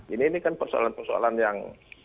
ini kan persoalan persoalan yang